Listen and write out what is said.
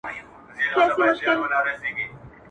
د استعماري ارزښتونو